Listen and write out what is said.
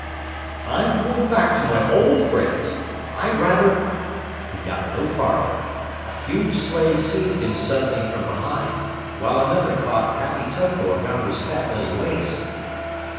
I'm going back to my old friends. I'd rather ". He got no farther. A huge slave seized him suddenly from behind, while another caught Happy Toko around his fat little waist.